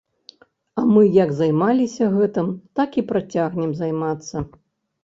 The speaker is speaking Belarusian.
А мы як займаліся гэтым, так і працягнем займацца.